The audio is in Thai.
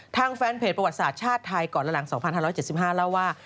ทางแฟนเพจประวัติศาสตร์ชาติไทยก่อนละหลัง๒๕๗๕เล่าว่า